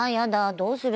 どうする？